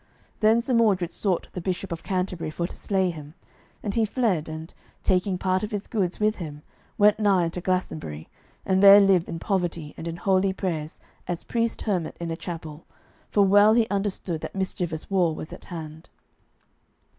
Then Sir Mordred sought the Bishop of Canterbury for to slay him, and he fled, and, taking part of his goods with him, went nigh unto Glastonbury, and there lived in poverty and in holy prayers as priest hermit in a chapel, for well he understood that mischievous war was at hand.